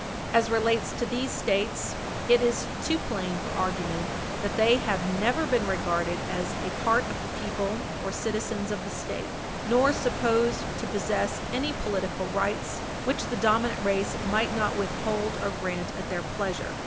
As relates to these States, it is too plain for argument that they have never been regarded as a part of the people or citizens of the State, nor supposed to possess any political rights which the dominant race might not withhold or grant at their pleasure.